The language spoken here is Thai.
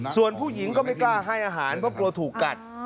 ส่วนผู้หญิงก็ไม่กล้าให้อาหารเพราะกลัวถูกกัด